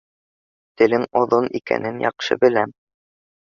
Телең оҙон икәнен яҡшы беләм.